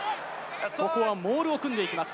そこはモールを組んでいきます。